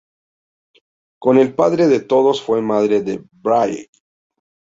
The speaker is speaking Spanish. Con el Padre de Todos fue madre de Bragi.